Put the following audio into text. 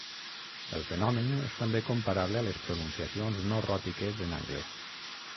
El fenomen és també comparable a les pronunciacions no ròtiques en anglès.